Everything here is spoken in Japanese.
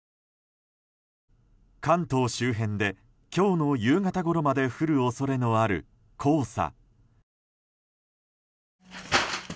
関東周辺で今日の夕方ごろまで降る恐れのある黄砂。